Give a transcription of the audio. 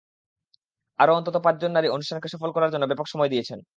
আরও অন্তত পাঁচজন নারী অনুষ্ঠানকে সফল করার জন্য ব্যাপক সময় দিয়েছেন।